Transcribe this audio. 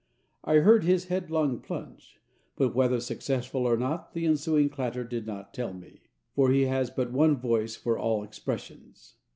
I heard his headlong plunge, but whether successful or not the ensuing clatter did not tell me, for he has but one voice for all expressions.